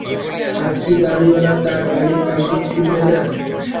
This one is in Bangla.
আজ কি বাড়িওয়ালা তার পানির পাম্পটি খুলবে না?